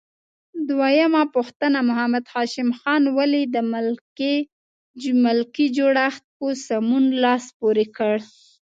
دویمه پوښتنه: محمد هاشم خان ولې د ملکي جوړښت په سمون لاس پورې کړ؟